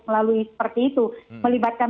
melalui seperti itu melibatkan